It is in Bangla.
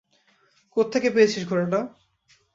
কোত্থেকে পেয়েছিস ঘোড়াটা?